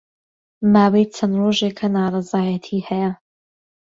ماوەی چەند ڕۆژێکە ناڕەزایەتی ھەیە